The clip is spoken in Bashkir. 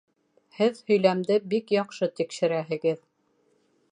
Һеҙ һөйләмде бик яҡшы тикшерәһегеҙ